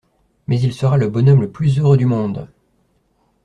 Mais il sera le bonhomme le plus heureux du monde!